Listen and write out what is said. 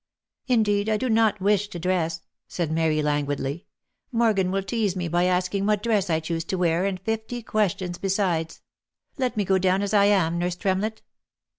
" Indeed I do not wish to dress," said Mary languidly. " Morgan will tease me by asking what dress I choose to wear and fifty questions besides. Let me go down as I am, nurse Tremlett."